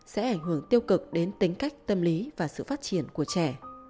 sẽ ảnh hưởng tiêu cực đến tính cách tâm lý và sự phát triển của trẻ